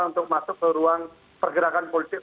untuk masuk ke ruang pergerakan politik